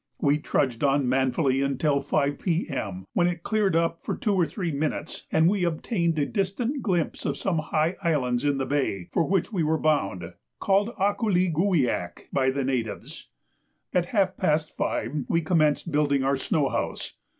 We trudged on manfully until 5 P.M., when it cleared up for two or three minutes, and we obtained a distant glimpse of some high islands in the bay for which we were bound, called Ak koo lee gu wiak by the natives. At half past 5 we commenced building our snow house.